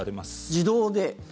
自動で？